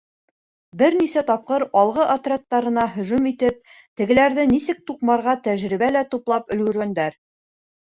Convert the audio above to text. Бер нисә тапҡыр алғы отрядтарына һөжүм итеп, тегеләрҙе нисек туҡмарға тәжрибә лә туплап өлгөргәндәр.